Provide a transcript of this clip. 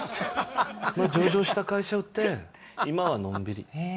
上場した会社売って今はのんびりへえ